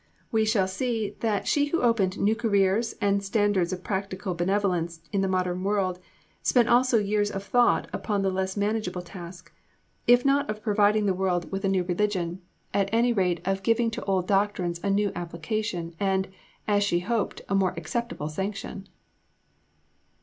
We shall see that she who opened new careers and standards of practical benevolence in the modern world, spent also years of thought upon the less manageable task, if not of providing the world with a new religion, at any rate of giving to old doctrines a new application, and, as she hoped, a more acceptable sanction.